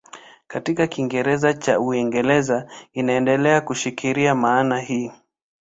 Katika Kiingereza cha Uingereza inaendelea kushikilia maana hii.